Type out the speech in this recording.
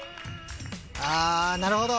あーなるほど。